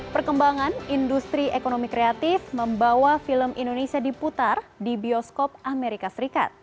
perkembangan industri ekonomi kreatif membawa film indonesia diputar di bioskop amerika serikat